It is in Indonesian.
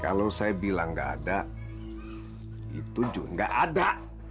kalau saya bilang nggak ada itu nggak ada